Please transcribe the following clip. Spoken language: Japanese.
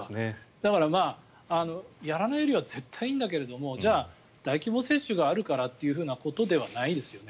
だから、やらないよりは絶対いいんだけれどもじゃあ、大規模接種があるからということではないですよね。